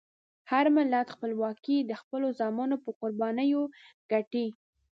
هر ملت خپلواکي د خپلو زامنو په قربانیو ګټي.